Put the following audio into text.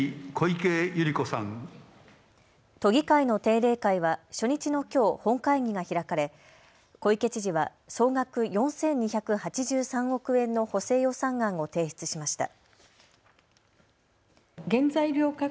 都議会の定例会は初日のきょう、本会議が開かれ小池知事は総額４２８３億円の補正予算案を提出しました。